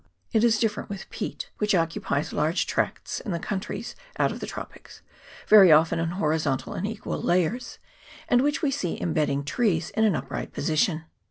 It is different with peat, which occupies large tracts in the countries out of the tropics, very often in horizontal and equal layers, and which we see imbedding trees in an upright position.